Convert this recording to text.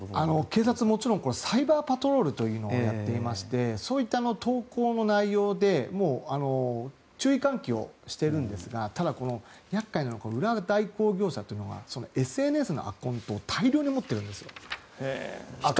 警察はサイバーパトロールをやっていましてそういった投稿の内容で注意喚起をしているんですがただ、厄介なのは裏代行業者というのはＳＮＳのアカウントを大量に持ってるんです。